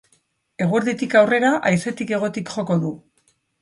Eguerditik aurrera, haizetik hegotik joko du.